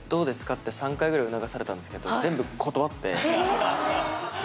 って３回ぐらい促されたんですけど。